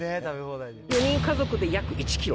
４人家族で約１キロ。